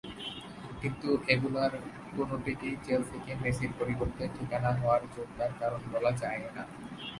কিন্তু এগুলোর কোনোটাই চেলসিকে মেসির পরবর্তী ঠিকানা হওয়ার জোরদার কারণ বলা যায় না।